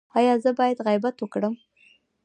ایا زه باید غیبت وکړم؟